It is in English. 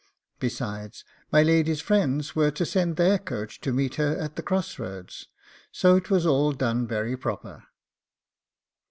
Besides, my lady's friends were to send their coach to meet her at the cross roads; so it was all done very proper.